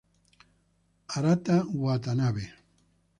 Arata Watanabe